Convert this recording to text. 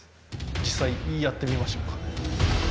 実際やってみましょうか。